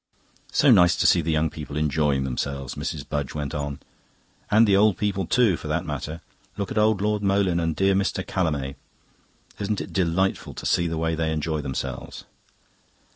"So nice to see the young people enjoying themselves," Mrs. Budge went on. "And the old people too, for that matter. Look at old Lord Moleyn and dear Mr. Callamay. Isn't it delightful to see the way they enjoy themselves?"